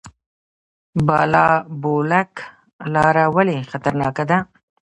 بالابلوک لاره ولې خطرناکه ده؟